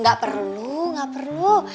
gak perlu gak perlu